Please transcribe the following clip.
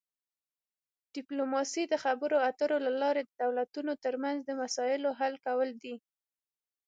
ډیپلوماسي د خبرو اترو له لارې د دولتونو ترمنځ د مسایلو حل کول دي